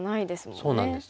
そうなんです。